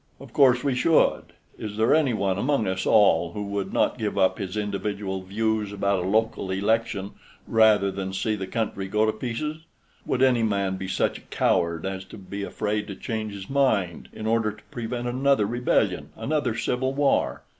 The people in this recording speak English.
"Of course we should. Is there any one among us all who would not give up his individual views about a local election rather than see the country go to pieces? Would any man be such a coward as to be afraid to change his mind in order to prevent another Rebellion, another Civil War?